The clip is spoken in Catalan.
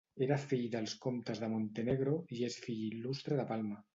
Era fill dels comtes de Montenegro i és fill il·lustre de Palma.